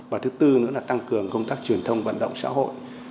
và thứ tư nữa là tăng cường công tác truyền thông vận động xã hội